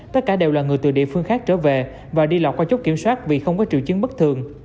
tất cả đều là người từ địa phương khác trở về và đi lọt qua chốt kiểm soát vì không có triệu chứng bất thường